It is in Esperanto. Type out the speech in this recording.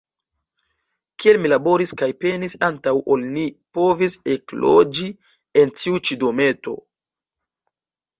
Kiel mi laboris kaj penis antaŭ ol ni povis ekloĝi en ĉi tiu dometo!